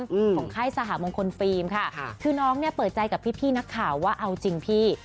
ของค่ายสหมงคลฟิล์มค่ะคือน้องเนี้ยเปิดใจกับพี่พี่นักข่าวว่าเอาจริงพี่